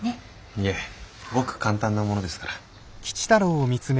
いえごく簡単なものですから。